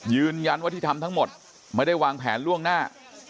ยืนยันว่าที่ทำทั้งหมดไม่ได้วางแผนล่วงหน้า